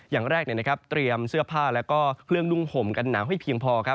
อย่างแรกเตรียมเสื้อผ้าแล้วก็เครื่องนุ่งห่มกันหนาวให้เพียงพอครับ